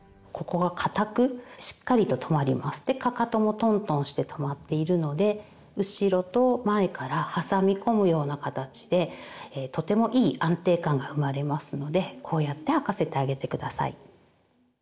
でかかともトントンしてとまっているので後ろと前から挟み込むような形でとてもいい安定感が生まれますのでこうやって履かせてあげて下さい。